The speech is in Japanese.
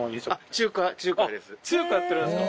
中華やってるんですか。